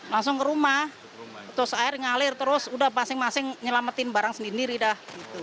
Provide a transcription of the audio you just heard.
langsung ke rumah terus air ngalir terus udah masing masing nyelamatin barang sendiri dah